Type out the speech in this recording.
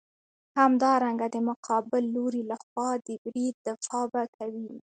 همدارنګه د مقابل لوري لخوا د برید دفاع به کوې.